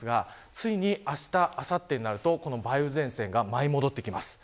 ついに、あしたあさってになると梅雨前線が舞い戻ってきます。